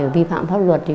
vi phạm pháp luật